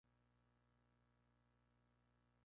Su nombre, "In the Name of Justice".